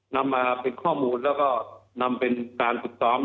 นำมาเป็นข้อมูลแล้วก็นำเป็นการฝึกซ้อม